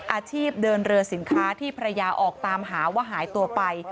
อาชีพเดินเรือสินค้าที่ภรรยาออกตามหาว่าหายตัวไป